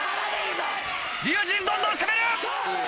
龍心どんどん攻める！